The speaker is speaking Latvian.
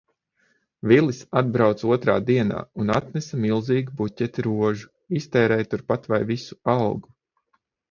Vilis atbrauca otrā dienā un atnesa milzīgu buķeti rožu, iztērēja turpat vai visu algu.